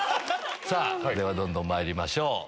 さぁではどんどんまいりましょう。